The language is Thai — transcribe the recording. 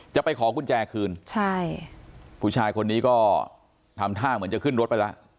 จะไปขอกุญแจคืนใช่ผู้ชายคนนี้ก็ทำท่าเหมือนจะขึ้นรถไปแล้ว